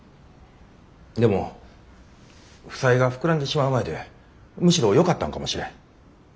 でも負債が膨らんでしまう前でむしろよかったんかもしれん。